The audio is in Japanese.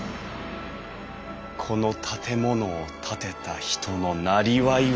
この建物を建てた人のなりわいは。